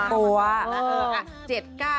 เออเออ